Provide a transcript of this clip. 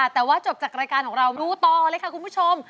แต่ว่าจบจากรายการของเราดูต่อเลยค่ะคุณผู้ชม